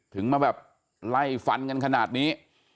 ถึงมาแบบไล่ฟันกันขนาดนี้